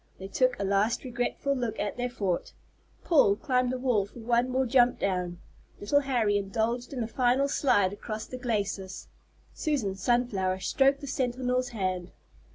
They took a last regretful look at their fort. Paul climbed the wall for one more jump down. Little Harry indulged in a final slide across the glacis. Susan Sunflower stroked the Sentinel's hand.